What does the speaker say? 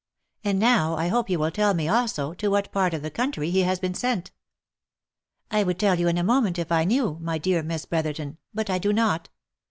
And now I hope you will tell me also to what part of the country he has been sent." "jl would tell you in a moment, if I knew, my dear Miss Brother ton, but I do not.